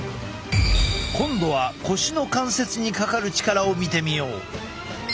今度は腰の関節にかかる力を見てみよう。